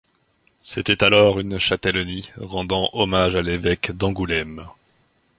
C'était alors une châtellenie rendant hommage à l'évêque d'Angoulême.